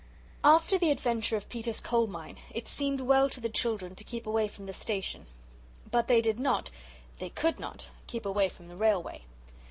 After the adventure of Peter's Coal mine, it seemed well to the children to keep away from the station but they did not, they could not, keep away from the railway.